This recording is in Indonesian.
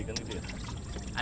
ada yang mau disampaikan